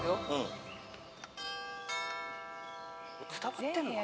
伝わってんのかな？